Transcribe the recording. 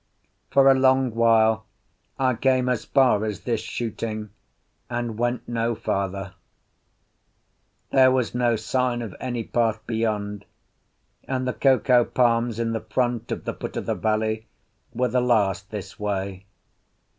For a long while I came as far as this shooting, and went no farther. There was no sign of any path beyond, and the cocoa palms in the front of the foot of the valley were the last this way.